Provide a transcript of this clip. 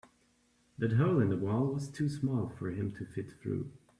That hole in the wall was too small for him to fit through.